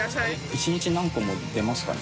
１日何個も出ますかね？